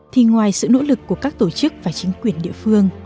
thì ngoài sự nỗ lực của các tổ chức và chính quyền địa phương